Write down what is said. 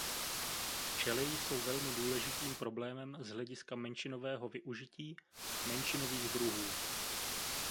Včely jsou velmi důležitým problémem z hlediska menšinového využití/menšinových druhů.